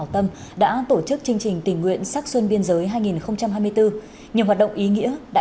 tổ chức sinh hoạt phổ biến pháp luật